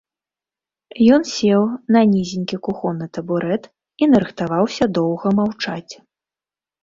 Ён сеў на нізенькі кухонны табурэт і нарыхтаваўся доўга маўчаць.